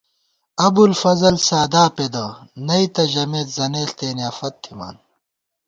ابُوالفضل سادا پېدہ نئ نہ ژَمېت، زنېݪ تېنیافت تھِمان